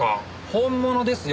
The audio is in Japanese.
本物ですよ。